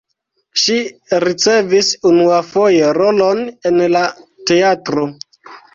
Ŝi ricevis unuafoje rolon en la teatro.